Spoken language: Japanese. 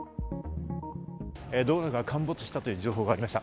道路が陥没したという情報がありました。